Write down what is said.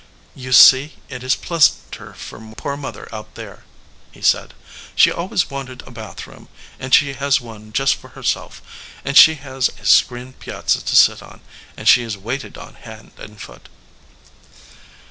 "You see, it is pleasanter for poor Mother out there," he said. "She always wanted a bath room, and she has one just for her self ; and she has a screened piazza to sit on, and she is waited on hand and foot."